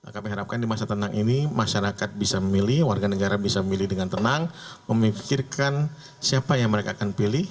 kami harapkan di masa tenang ini masyarakat bisa memilih warga negara bisa memilih dengan tenang memikirkan siapa yang mereka akan pilih